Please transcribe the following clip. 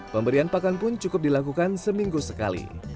pemberian pakan pun cukup dilakukan seminggu sekali